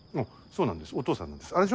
そうなんですお父さんなんですあれ